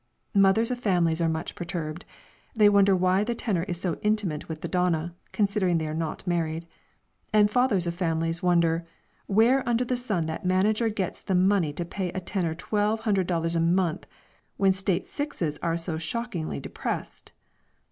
Mothers of families are much perturbed; they wonder why the tenor is so intimate with the donna, considering they are not married; and fathers of families wonder "where under the sun that manager gets the money to pay a tenor twelve hundred dollars a month, when state sixes are so shockingly depressed."